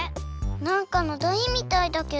なんかのだいみたいだけど。